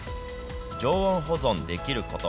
常温保存できること。